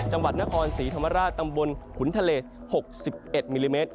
จังหวัดนครศรีธรรมราชตำบลขุนทะเล๖๑มิลลิเมตร